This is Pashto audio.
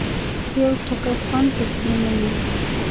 یو ټکی خوند پکې نه وي.